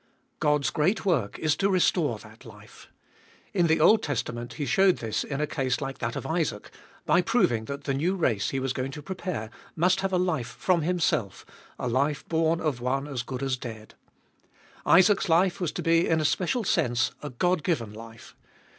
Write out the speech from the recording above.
God's great work is to restore that life. In the Old Testament He showed this in a case like that of Isaac, by proving that the new race He was going to prepare must have a life from Himself, a life born of one as good as dead. Isaac's life was to be in a special sense a God given life.